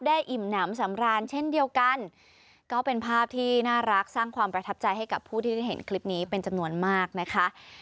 อิ่มน้ำสำราญเช่นเดียวกันก็เป็นภาพที่น่ารักสร้างความประทับใจให้กับผู้ที่ได้เห็นคลิปนี้เป็นจำนวนมากนะคะ